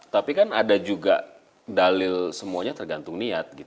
tapi kan ada juga dalil semuanya tergantung niat